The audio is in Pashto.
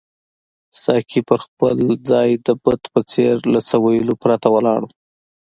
ساقي پر خپل ځای د بت په څېر له څه ویلو پرته ولاړ وو.